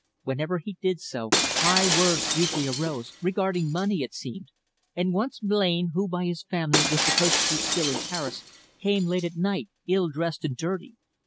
Whenever he did so, high words usually arose, regarding money, it seemed, and once Blain, who by his family was supposed to be still in Paris, came late at night, ill dressed and dirty.